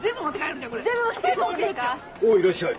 おおいらっしゃい。